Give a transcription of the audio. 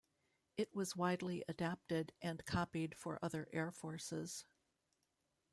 It was widely adapted and copied for other air forces.